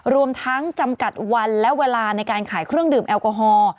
รวมทั้งจำกัดวันและเวลาในการขายเครื่องดื่มแอลกอฮอล์